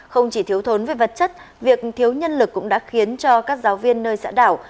không chỉ thiếu thốn về vật chất việc thiếu nhân lực cũng đã khiến cho các giáo viên nơi xã đảo